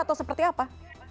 atau seperti apa